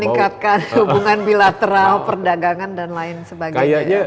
meningkatkan hubungan bilateral perdagangan dan lain sebagainya